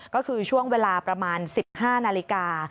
ก็คือช่วงเวลาประมาณ๑๕นาฬิกา